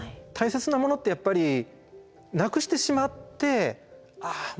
たいせつなものってやっぱりなくしてしまってああ